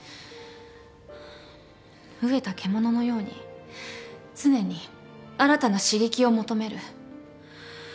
飢えた獣のように常に新たな刺激を求める。